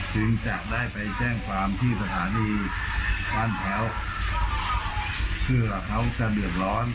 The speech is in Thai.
จึงจะได้ไปแจ้งความที่สถานีบ้านแพ้วเพื่อเขาจะเดือดร้อน